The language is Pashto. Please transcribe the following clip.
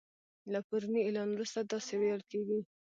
له پروني اعلان وروسته داسی ویل کیږي